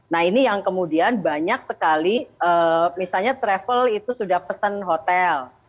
nah ini yang kemudian banyak sekali misalnya travel itu sudah pesen hotel